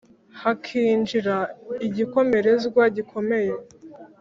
hakinjira igikomerezwa gikomeye